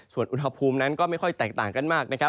ส่วนอุณหภูมินั้นก็ไม่ค่อยแตกต่างกันมากนะครับ